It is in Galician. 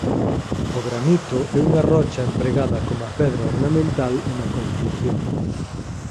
O granito é unha rocha empregada coma pedra ornamental e na construción.